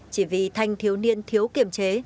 chỉ vì thành thiếu niên thiếu kiềm chế